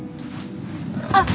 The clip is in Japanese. あっ！